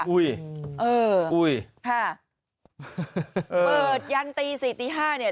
อุ้ยอุ้ยค่ะเปิดยันตี๔๕เนี่ย